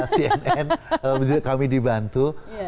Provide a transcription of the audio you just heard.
cnn kami dibantu